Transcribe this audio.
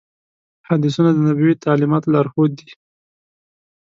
حدیثونه د نبوي تعلیماتو لارښود دي.